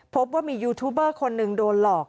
พบว่ามียูทูบเบอร์คนหนึ่งโดนหลอก